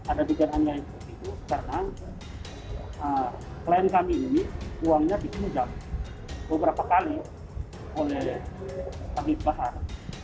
ada dikenalnya itu karena klien kami ini uangnya dikunjang beberapa kali oleh pak rian bahar